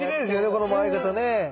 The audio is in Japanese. この回り方ね。